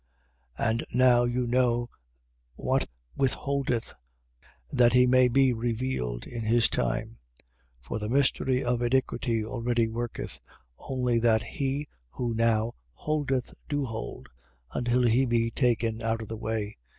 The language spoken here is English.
2:6. And now you know what withholdeth, that he may be revealed in his time. 2:7. For the mystery of iniquity already worketh: only that he who now holdeth do hold, until he be taken out of the way.